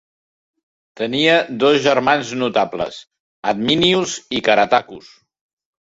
Tenia dos germans notables, Adminius i Caratacus.